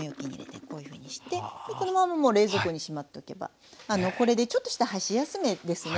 こういうふうにしてこのままもう冷蔵庫にしまっておけばこれでちょっとした箸休めですね。